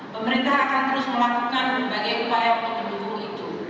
pemerintah akan terus melakukan berbagai upaya untuk mendukung itu